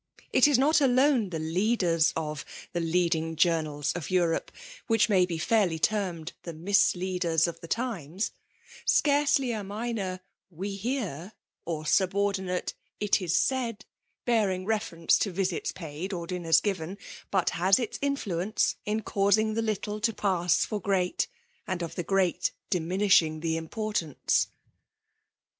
It is not alone the '' leaders *' of '' the leading journals of Europe" which may be fairly termed the '* mis leaders of the times ;*' scarcely a minor ''we hear/' or subordinate ''it is said/' bearing reference to visits paid or dinners given, but has its influence in causing the little to pass for great, and of the great diminishing the importance.